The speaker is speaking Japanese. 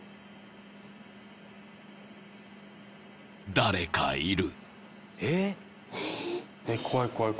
［誰かいる］